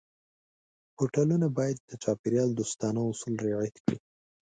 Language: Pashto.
هوټلونه باید د چاپېریال دوستانه اصول رعایت کړي.